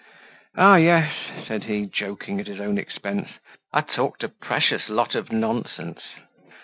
"Ah, yes," said he, joking at his own expense; "I talked a precious lot of nonsense!